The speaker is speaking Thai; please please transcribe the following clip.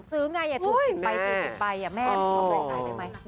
ซื้อไงถูก๑๐ใบ๔๐ใบแม่มีความรักได้ไหมโอ้ยแม่โอ้ย